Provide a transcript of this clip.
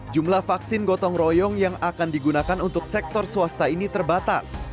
jumlah vaksin gotong royong yang akan digunakan untuk sektor swasta ini terbatas